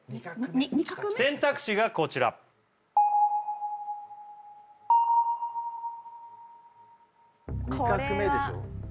選択肢がこちら２画目でしょう？